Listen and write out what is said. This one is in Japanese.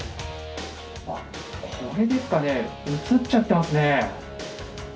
これですかね、写っちゃってますね。